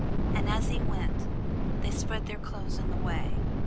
And as he went, they spread their clothes in the way.